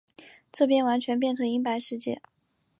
这边完全变成银白世界